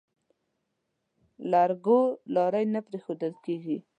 لرګو لارۍ نه پرېښوول کېږي.